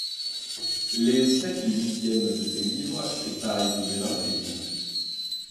Les sept huitièmes de ces livres, c'est Paris qui les imprime.